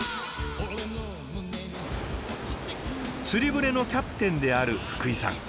釣り船のキャプテンである福井さん。